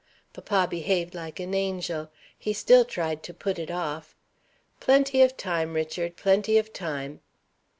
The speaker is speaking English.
Papa behaved like an angel. He still tried to put it off. 'Plenty of time, Richard, plenty of time.'